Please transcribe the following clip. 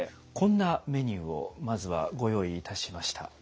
こんなメニューをまずはご用意いたしました。